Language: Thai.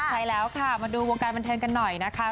ใช่แล้วค่ะมาดูวงการบันเทิงกันหน่อยนะคะ